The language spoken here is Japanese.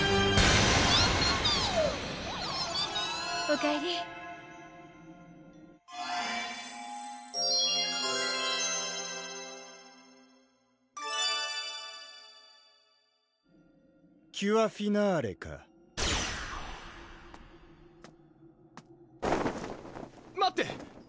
おかえりキュアフィナーレか待って！